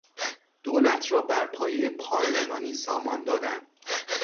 دولت را بر پایهی پارلمانی سامان دادن